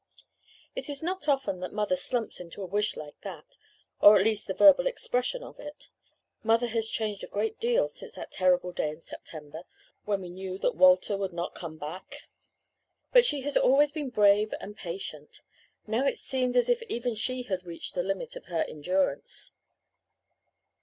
"It is not often that mother slumps into a wish like that or at least the verbal expression of it. Mother has changed a great deal since that terrible day in September when we knew that Walter would not come back; but she has always been brave and patient. Now it seemed as if even she had reached the limit of her endurance.